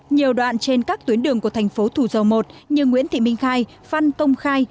nhiều đoạn trên các tuyến đường của thành phố thủ dầu một như nguyễn thị minh khai phan công khai